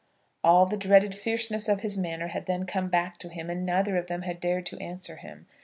All the dreaded fierceness of his manner had then come back to him, and neither of them had dared to answer him.